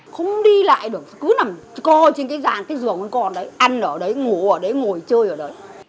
không đi lại được cứ nằm coi trên cái giàn cái giường còn đấy ăn ở đấy ngủ ở đấy ngồi chơi ở đấy